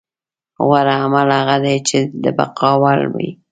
غوره عمل هغه دی چې د بقا وړ وي.